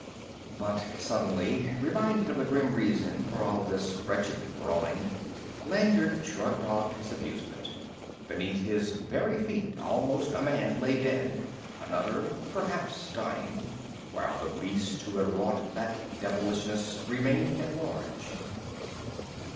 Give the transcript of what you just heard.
But suddenly, reminded of the grim reason for all this wretched brawling, Lanyard shrugged off his amusement. Beneath his very feet, almost a man lay dead, another perhaps dying, while the beast who had wrought that devilishness remained at large.